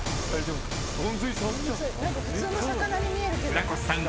［船越さん